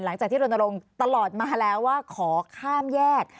หลังจากที่รณรงค์ตลอดมาแล้วว่าขอข้ามแยก